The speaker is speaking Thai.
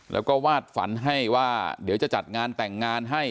แล้วก็วาดฝันให้ว่าเดี๋ยวจะจัดงานแต่งงานให้